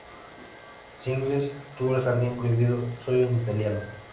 Singles: "Tú" "El Jardín Prohibido" "Soy un italiano"